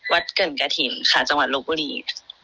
เกินกระถิ่นค่ะจังหวัดลบบุรี